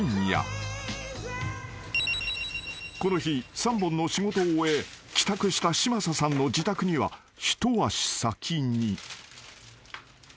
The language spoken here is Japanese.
［この日３本の仕事を終え帰宅した嶋佐さんの自宅には一足先に］